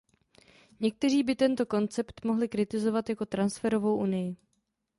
Někteří by tento koncept mohli kritizovat jako transferovou unii.